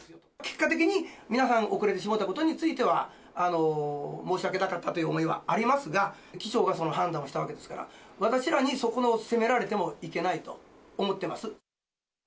結果的に皆さん遅れてしまったことについては、申し訳なかったという思いはありますが、機長がその判断をしたわけですから、私らにそこを責められてもいけないと思ってます。